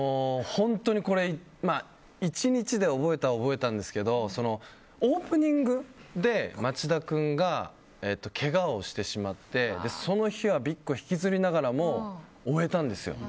本当にこれ、１日で覚えたは覚えたんですけどオープニングで町田君がけがをしてしまってその日はびっこひきずりながらも終えたんですよ。